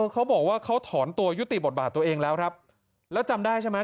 เขาบอกว่าเขาถอนตัวยุติบทบาทตัวเองแล้วครับแล้วจำได้ใช่ไหม